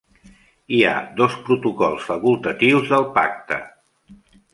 Hi ha dos protocols facultatius del pacte.